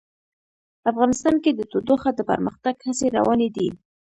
افغانستان کې د تودوخه د پرمختګ هڅې روانې دي.